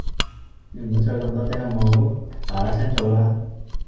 你唔好再咁多嗲好唔好，嗱嗱聲做啦